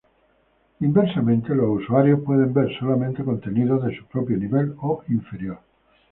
Inversamente, los usuarios pueden ver solamente contenido de su propio nivel o inferior.